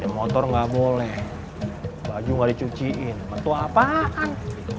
motor gak boleh baju gak dicuciin betul apaan